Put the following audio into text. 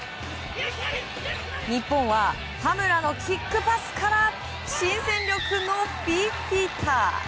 日本は田村のキックパスから新戦力のフィフィタ。